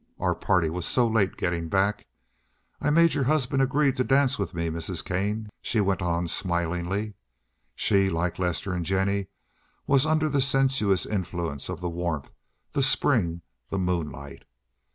Our party was so late getting back. I've made your husband agree to dance with me, Mrs. Kane," she went on smilingly. She, like Lester and Jennie, was under the sensuous influence of the warmth, the spring, the moonlight.